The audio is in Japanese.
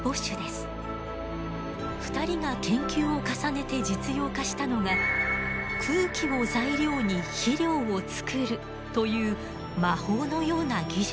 ２人が研究を重ねて実用化したのが空気を材料に肥料を作るという魔法のような技術。